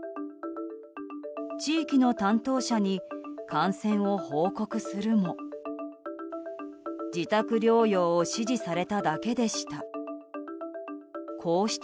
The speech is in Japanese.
地域の担当者に感染を報告するも自宅療養を指示されただけでした。